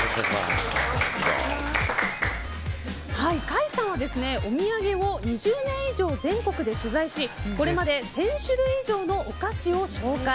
甲斐さんはお土産を２０年以上全国で取材しこれまで１０００種類以上のお菓子を紹介。